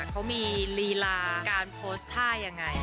เขามีลีลาการโพสต์ท่ายังไง